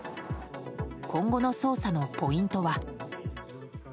今後の捜査のポイントは。